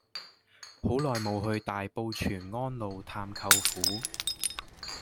好耐無去大埔全安路探舅父